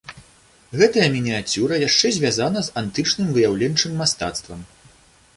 Гэтая мініяцюра яшчэ звязана з антычным выяўленчым мастацтвам.